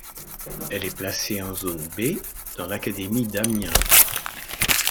Elle est placée en zone B, dans l'académie d'Amiens.